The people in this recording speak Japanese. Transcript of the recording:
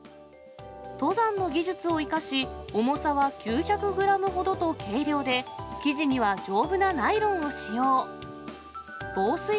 登山の技術を生かし、重さは９００グラムほどと軽量で、生地には丈夫なナイロンを使用。